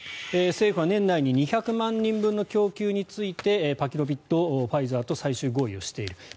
政府は年内に２００万人分の供給についてパキロビッドをファイザーと最終合意をしている。